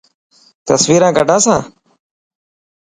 تصويران ڪڌا سان.